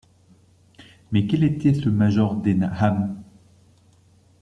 Mais quel était ce major Denham?